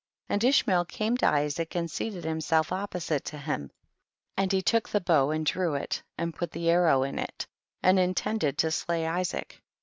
14. And Ishmael came to Isaac and seated himself opposite to him, and he took the bow and drew it and put the arrow in it, and intended to slay Isaac.